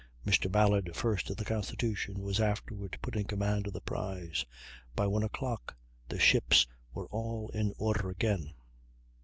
Mr. Ballard, first of the Constitution, was afterward put in command of the prize. By one o'clock the ships were all in order again.